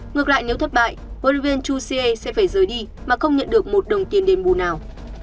ngược lại nếu thất bại hlv chu xie sẽ phải rời đi mà không nhận được một đồng tiền đền bù nào